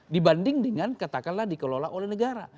dibanding dengan katakanlah dikelola oleh negara